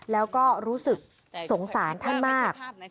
แล้วก็รู้สึกสงสารท่านมาก